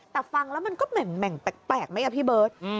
แต่ฟังแล้วมันก็แหม่งแปลกไหมอ่ะพี่เบิร์ต